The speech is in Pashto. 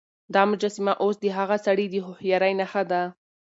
دا مجسمه اوس د هغه سړي د هوښيارۍ نښه ده.